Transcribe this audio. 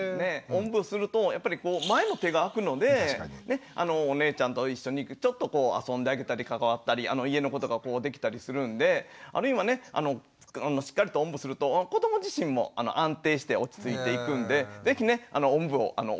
おんぶすると前の手が空くのでお姉ちゃんと一緒にちょっとこう遊んであげたり関わったり家のことがこうできたりするんであるいはねしっかりとおんぶすると子ども自身も安定して落ち着いていくんで是非ねおんぶをおすすめします。